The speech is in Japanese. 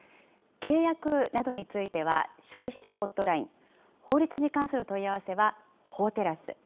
契約などについては消費者ホットライン、法律に関する問い合わせは法テラス。